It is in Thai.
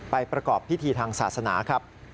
ประกอบพิธีทางศาสนาครับ